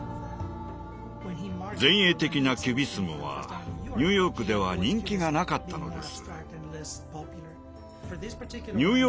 前衛的なキュビスムはニューヨークでは人気がなかったのです。